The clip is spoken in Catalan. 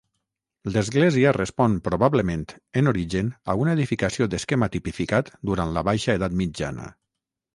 L'església respon probablement, en origen, a una edificació d'esquema tipificat durant la Baixa Edat Mitjana.